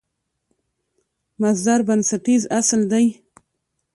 مصدر بنسټیز اصل دئ.